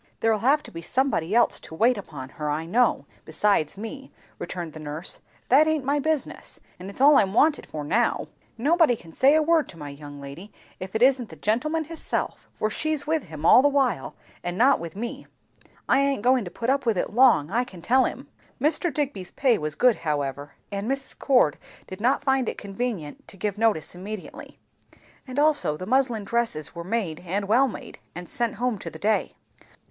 "There'll have to be somebody else to wait upon her, I know, besides me," returned the nurse. "That aint my business. And it's all I'm wanted for now. Nobody can say a word to my young lady if it isn't the gentleman hisself; and she's with him all the while, and not with me. I aint goin' to put up with it long, I can tell 'em." Mr. Digby's pay was good however, and Mrs. Cord did not find it convenient to give notice immediately; and also the muslin dresses were made and well made, and sent home to the day.